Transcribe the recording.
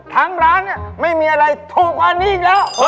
ทั้งร้านไม่มีอะไรถูกกว่าอันนี้อีกแล้ว